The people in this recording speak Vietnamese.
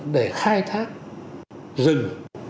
để khai thác rừng